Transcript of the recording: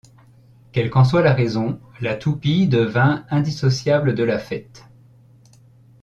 Quelle qu’en soit la raison, la toupie devint indissociable de la fête.